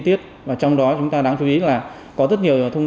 để thực hiện hành vi vay tiền